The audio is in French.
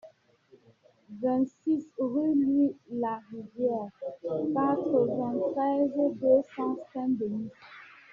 vingt-six rue Louis Larivière, quatre-vingt-treize, deux cents, Saint-Denis